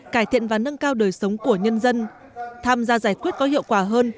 cải thiện và nâng cao đời sống của nhân dân tham gia giải quyết có hiệu quả hơn